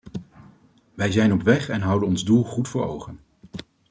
Wij zijn op weg en houden ons doel goed voor ogen.